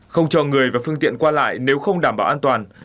không cho người và phương tiện qua lại nếu không đảm bảo an toàn